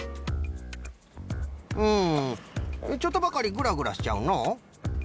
うんちょっとばかりグラグラしちゃうのう。